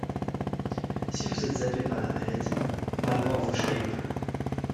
Si vous estes happé par la maladie, ma mort vous chaille peu.